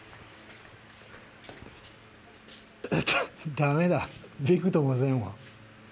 ダメだびくともせんわ。